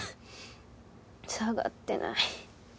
下がってない。